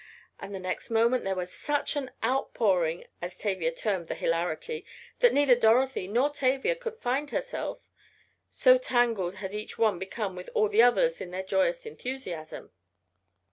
And the next moment there was such an "outpouring," as Tavia termed the hilarity, that neither Dorothy nor Tavia could find herself, so tangled had each one become with all the others in their joyous enthusiasm.